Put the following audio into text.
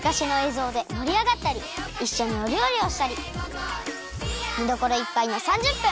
ぞうでもりあがったりいっしょにおりょうりをしたりみどころいっぱいの３０分！